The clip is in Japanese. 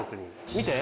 見て。